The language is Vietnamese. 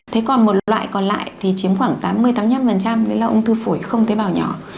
thế còn một loại còn lại thì chiếm khoảng tám mươi tám mươi năm đấy là ung thư phổi không tế bào nhỏ